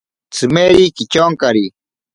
Tsimeri kityonkari.